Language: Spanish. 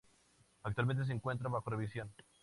Actualmente se encuentra bajo revisión.